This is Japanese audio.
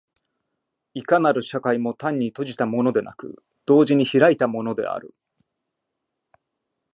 いかなる社会も単に閉じたものでなく、同時に開いたものである。